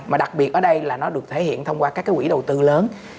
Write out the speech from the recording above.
mà đặc biệt ở đây là nó được thể hiện thông qua các cái quỹ đầu tư lớn